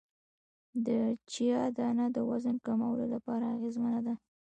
د چیا دانه د وزن کمولو لپاره اغیزمنه ده